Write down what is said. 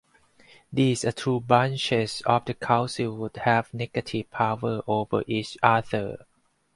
These two branches of the Council would have negative power over each other.